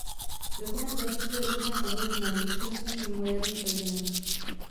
Dokument zachycuje různé pohledy na rodičovství v moderních rodinách.